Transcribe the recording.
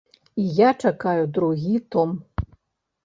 І я чакаю другі том.